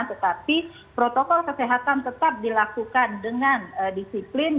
tetapi protokol kesehatan tetap dilakukan dengan disiplin